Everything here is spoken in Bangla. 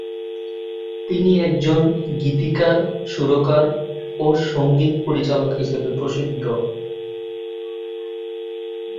তিনি একজন গীতিকার, সুরকার ও সঙ্গীত পরিচালক হিসেবে প্রসিদ্ধ।